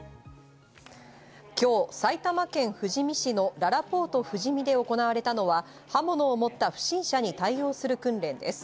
今日、埼玉県富士見市のららぽーと富士見で行われたのは刃物を持った不審者に対応する訓練です。